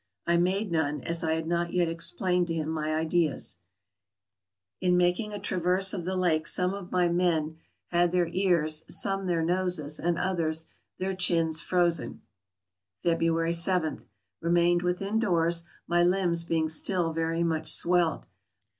I made none, as I had not yet explained to him my ideas. In making a 146 TRAVELERS AND EXPLORERS traverse of the lake some of my men had their ears, some their noses, and others their chins frozen. February J. — Remained within doors, my limbs being still very much swelled.